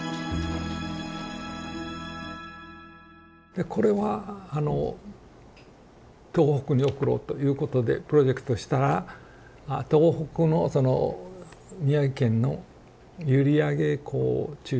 でこれは東北に送ろうということでプロジェクトしたら東北のその宮城県の閖上港を中心としたエリアの方たちが賛同して下さって。